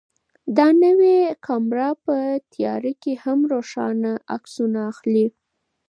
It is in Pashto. دا نوې کامره په تیاره کې هم روښانه عکسونه اخلي.